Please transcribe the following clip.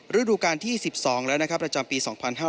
ฤดูกาลที่๑๒แล้วนะครับประจำปี๒๕๕๙